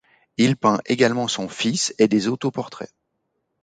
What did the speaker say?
Il peint également son fils et des autoportraits.